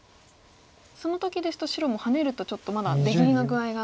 その時ですと白もハネるとちょっとまだ出切りの具合が。